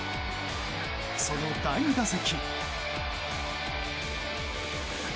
その第２打席。